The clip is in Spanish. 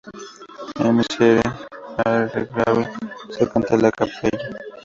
El Miserere de Allegri se canta "a cappella".